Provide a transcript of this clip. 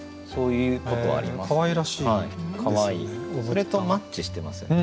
それとマッチしてますよね。